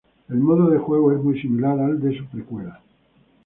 El modo de juego es muy similar al de su precuela.